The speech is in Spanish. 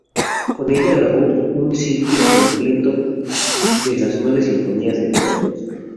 Con ella grabó un ciclo completo de las nueve sinfonías de Beethoven.